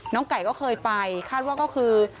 ไก่ก็เคยไปคาดว่าก็คือ